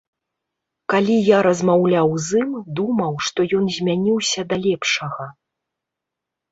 Калі я размаўляў з ім, думаў, што ён змяніўся да лепшага.